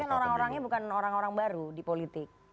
kan orang orangnya bukan orang orang baru di politik